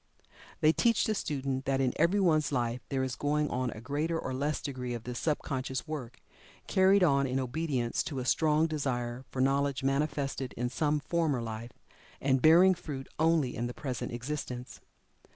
They teach the student that in everyone's life there is going on a greater or less degree of this sub conscious work, carried on in obedience to a strong desire for knowledge manifested in some former life, and bearing fruit only in the present existence.